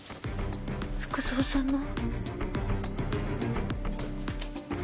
福造さんの？